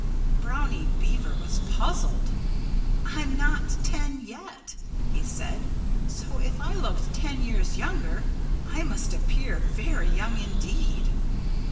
Brownie Beaver was puzzled. "I'm not ten yet," he said. "So if I look ten years younger, I must appear very young indeed."